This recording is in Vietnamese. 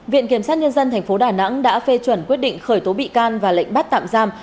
viện kiểm sát nhân dân tp đà nẵng đã phê chuẩn quyết định khởi tố bị can và lệnh bắt tạm giam